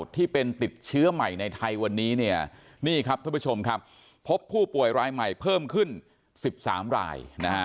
ที่เป็นติดเชื้อใหม่ในไทยวันนี้พบผู้ป่วยรายใหม่เพิ่มขึ้น๑๓ราย